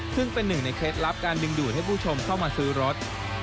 ซึ่งเป็นหนึ่งในเคล็ดลับการดึงดูดให้ผู้ชมเข้ามาซื้อรถ